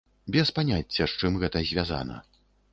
Без паняцця, з чым гэта звязана.